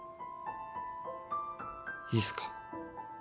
いいっすか？